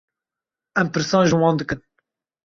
Em pirsan ji wan dikin.